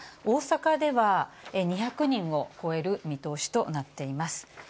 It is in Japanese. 大阪では２００人を超える見通しとなっています。